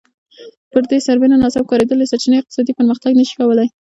پر دې سربېره ناسم کارېدلې سرچینې اقتصادي پرمختګ نه شي کولای